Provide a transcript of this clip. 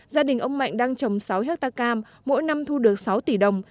gia đình ông mạnh đang trồng sáu hectare cam mỗi năm thu được sáu tỷ đồng